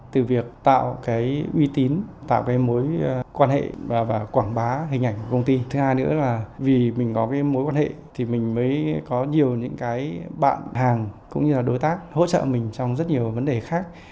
từ việc tạo cái uy tín tạo cái mối quan hệ và quảng bá hình ảnh của công ty thứ hai nữa là vì mình có cái mối quan hệ thì mình mới có nhiều những cái bạn hàng cũng như là đối tác hỗ trợ mình trong rất nhiều vấn đề khác